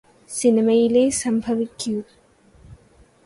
സിനിമയിലേ സംഭവിക്കൂ